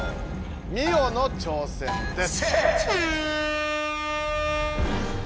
ミオの挑戦です！